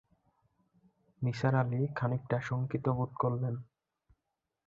নিসার আলি খানিকটা শঙ্কিত বোধ করলেন।